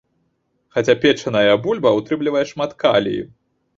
Хаця печаная бульба ўтрымлівае шмат калію.